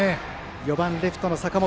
４番レフトの坂元。